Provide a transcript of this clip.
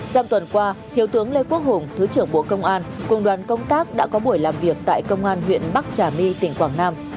trong tuần qua thiếu tướng lê quốc hùng thứ trưởng bộ công an cùng đoàn công tác đã có buổi làm việc tại công an huyện bắc trà my tỉnh quảng nam